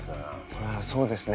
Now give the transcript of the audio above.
これはそうですね